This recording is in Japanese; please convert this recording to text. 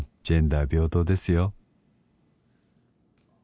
ジェンダー平等ですよ